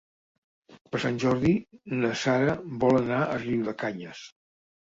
Per Sant Jordi na Sara vol anar a Riudecanyes.